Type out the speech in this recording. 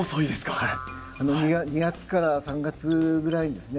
２月から３月ぐらいにですね